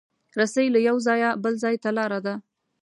رسۍ له یو ځایه بل ځای ته لاره ده.